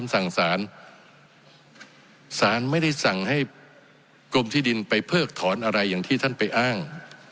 สารสั่งสารสารไม่ได้สั่งให้กรมที่ดินไปเพิกถอนอะไรอย่างที่ท่านไปอ้าง